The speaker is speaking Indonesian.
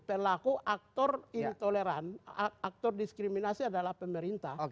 pelaku aktor intoleran aktor diskriminasi adalah pemerintah